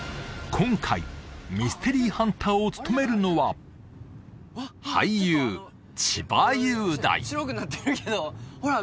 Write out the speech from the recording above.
今回ミステリーハンターを務めるのは俳優千葉雄大白くなってるけどほら